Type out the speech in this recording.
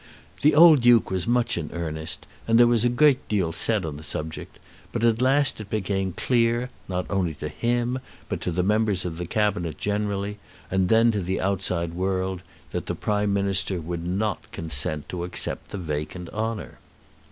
The old Duke was much in earnest, and there was a great deal said on the subject, but at last it became clear, not only to him, but to the members of the Cabinet generally, and then to the outside world, that the Prime Minister would not consent to accept the vacant honour.